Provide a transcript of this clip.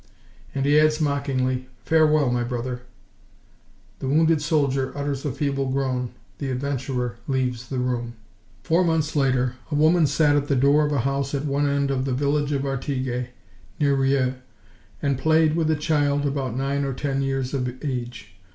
And he adds mockingly:— "Farewell, my brother!" The wounded soldier utters a feeble groan; the adventurer leaves the room. Four months later, a woman sat at the door of a house at one end of the village of Artigues, near Rieux, and played with a child about nine or ten years of age.